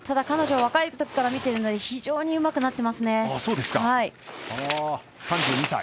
彼女、若いときから見てるので非常にうまくなってますね。